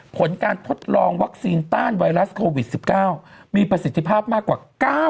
ผลการทดลองวัคซีนต้านไวรัสโควิด๑๙มีประสิทธิภาพมากกว่า